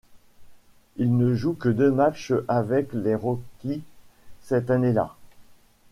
Il ne joue que deux matchs avec les Rockies cette année-là.